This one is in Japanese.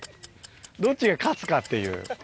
どっちが勝つかっていう。